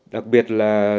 đặc biệt là